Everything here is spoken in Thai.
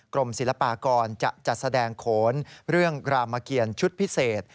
กรมศิลปากรจะจัดแสดงโขนเรื่องรามเกียรชุดพิเศษ